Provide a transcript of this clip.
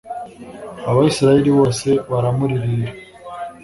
abayisraheli bose baramuririra